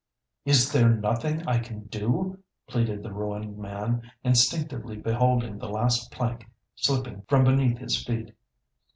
"Is there nothing I can do?" pleaded the ruined man, instinctively beholding the last plank slipping from beneath his feet.